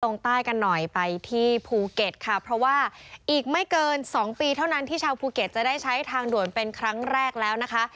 ตรงใต้กันหน่อยไปที่ภูเก็ตค่ะเพราะว่าอีกไม่เกินสองปีเท่านั้นที่ชาวภูเก็ตจะได้ใช้ทางด่วนเป็นครั้งแรกแล้วนะคะ